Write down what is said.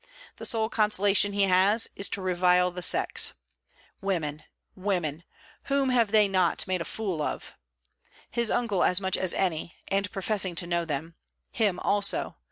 The sole consolation he has is to revile the sex. Women! women! Whom have they not made a fool of! His uncle as much as any and professing to know them. Him also!